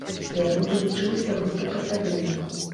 Да яго далучылася група паслядоўнікаў.